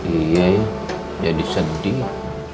iya ya jadi sedih